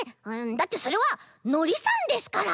だってそれはのりさんですから！